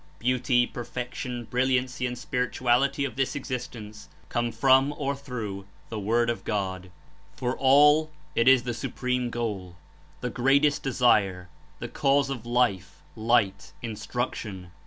Beauty, perfection, brilliancy and spirituality of this existence come from or through the Word of God. For all it is the supreme goal, the greatest desire, the cause of life, light, instruction.